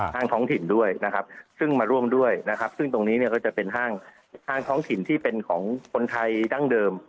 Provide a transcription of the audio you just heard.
ห้างท้องถิ่นด้วยซึ่งมาร่วมด้วยซึ่งตรงนี้ก็จะเป็นห้างท้องถิ่นที่เป็นของคนไทยดั้งเดิม